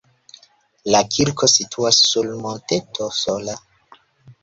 La kirko situas sur monteto sola.